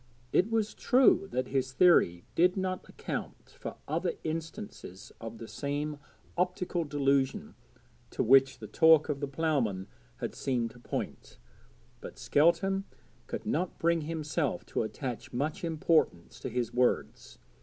It was true that his theory did not account for other instances of the same optical delusion to which the talk of the ploughman had seemed to point, but Skelton could not bring himself to attach much importance to his words.